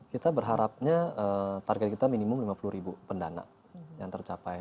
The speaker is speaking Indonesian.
kita berharapnya target kita minimum lima puluh ribu pendana yang tercapai